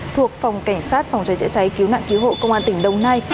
thuộc phòng cảnh sát phòng cháy chữa cháy cứu nạn cứu hộ công an tỉnh đồng nai